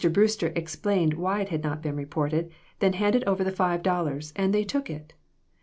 Brewster explained why it had not been reported, then handed over the five dollars, and they took it